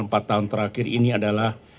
empat tahun terakhir ini adalah